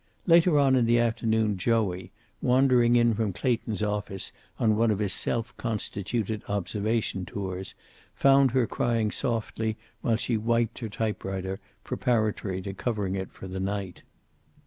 Later on in the afternoon Joey, wandering in from Clayton's office on one of his self constituted observation tours, found her crying softly while she wiped her typewriter, preparatory to covering it for the night.